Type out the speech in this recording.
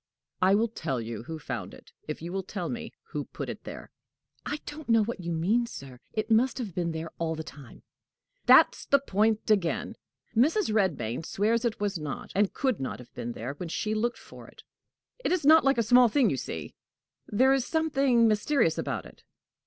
"I will tell you who found it, if you will tell me who put it there." "I don't know what you mean, sir. It must have been there all the time." "That's the point again! Mrs. Redmain swears it was not, and could not have been, there when she looked for it. It is not like a small thing, you see. There is something mysterious about it."